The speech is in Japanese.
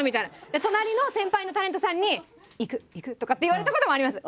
で隣の先輩タレントさんに「いくいく」とかって言われたこともあります。